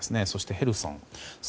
そしてヘルソン。